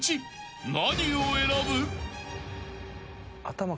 ［何を選ぶ？］